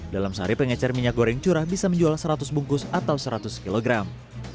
dalam sehari pengecar minyak goreng curah bisa menjual seratus bungkus atau seratus kilogram